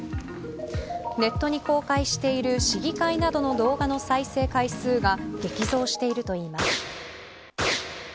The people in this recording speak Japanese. ネットに公開している市議会などの動画の再生回数が激増しているといいます。